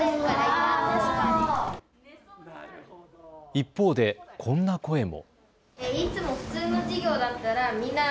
一方で、こんな声も。